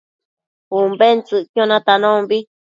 Umbentsëcquio natanombi